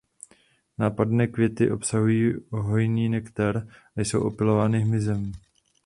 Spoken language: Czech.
Nápadné květy obsahují hojný nektar a jsou opylovány hmyzem.